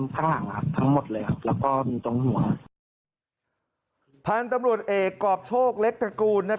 พันธุ์ตำรวจเอกกรอบโชคเล็กตระกูล